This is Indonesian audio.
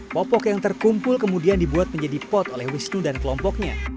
popok yang terkumpul kemudian dibuat menjadi pot oleh wisnu dan kelompoknya